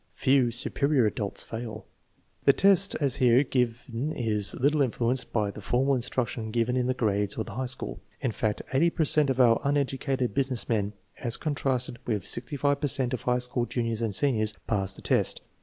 Few " superior adults " fail. The test as here given is little influenced by the formal instruction given in the grades or the high school. In fact, 80 per cent of our uneducated business men, as contrasted with 65 per cent of high school juniors and seniors, passed the test.